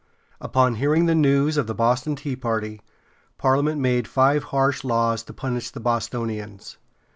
Upon hearing the news of the Boston Tea Party Parliament made five harsh laws to punish the Bostonians.